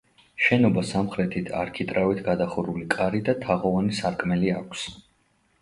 შენობას სამხრეთით არქიტრავით გადახურული კარი და თაღოვანი სარკმელი აქვს.